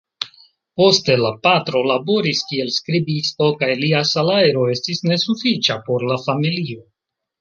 Poste la patro laboris kiel skribisto kaj lia salajro estis nesufiĉa por la familio.